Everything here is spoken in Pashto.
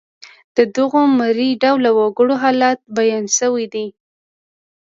د دغو مري ډوله وګړو حالت بیان شوی دی.